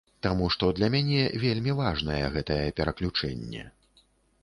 Таму што для мяне вельмі важнае гэтае пераключэнне.